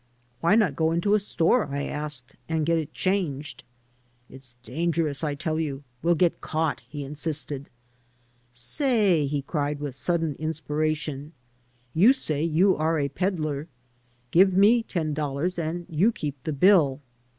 "Why not go into a store," I asked, "and get it changed?" "It's danger ous, I tell you; we'll get caught," he insisted. "Say," he cried with a sudden mspiration, "you say you are a peddler. Give me ten dollars and you keep the bill.'